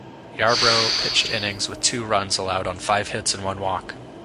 Yarbrough pitched innings with two runs allowed on five hits and one walk.